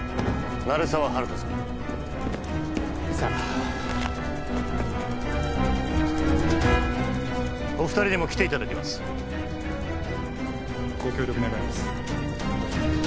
鳴沢温人さんさっお二人にも来ていただきますご協力願います